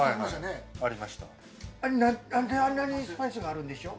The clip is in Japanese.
あれは何で、あんなにスパイスがあるんでしょう？